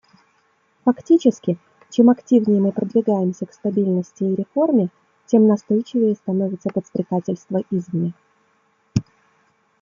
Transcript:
Фактически, чем активнее мы продвигаемся к стабильности и реформе, тем настойчивее становится подстрекательство извне.